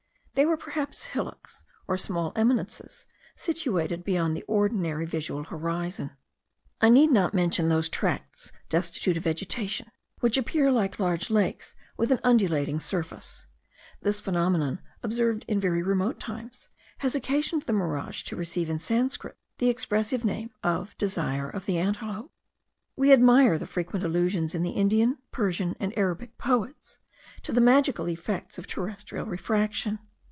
They were perhaps hillocks, or small eminences, situated beyond the ordinary visual horizon. I need not mention those tracts destitute of vegetation, which appear like large lakes with an undulating surface. This phenomenon, observed in very remote times, has occasioned the mirage to receive in Sanscrit the expressive name of desire of the antelope. We admire the frequent allusions in the Indian, Persian, and Arabic poets, to the magical effects of terrestrial refraction.